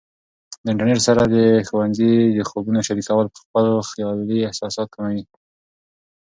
د انټرنیټ سره د ښوونځي د خوبونو شریکول خپل خالي احساسات کموي.